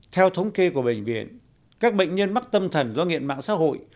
theo thống kê của bệnh viện các bệnh nhân mắc tâm thần do nghiện mạng xã hội